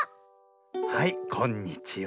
はいこんにちは。